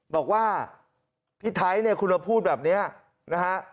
บอกว่าพี่ไทซคุณมาพูดแบบนี้นะครับ